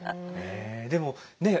でもねえ